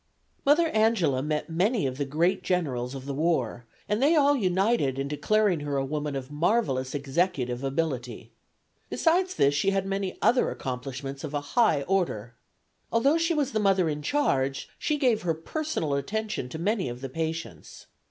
Mother Angela met many of the great generals of the war, and they all united in declaring her a woman of marvelous executive ability. Besides this she had many other accomplishments of a high order. Although she was the Mother in charge, she gave her personal attention to many of the patients.